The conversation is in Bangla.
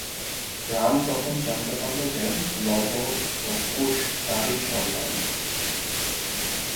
রাম তখন জানতে পারল যে লব ও কুশ তাঁরই সন্তান।